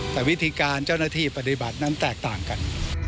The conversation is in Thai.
แต่วิธีการเจ้าหน้าที่ปฏิบัตินั้นแตกต่างกัน